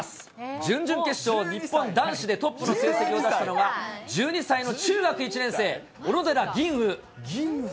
準々決勝日本男子でトップの成績を出したのが、１２歳の中学１年生、小野寺吟雲。